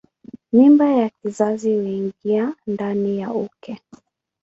Mimba ya kizazi huingia ndani ya uke.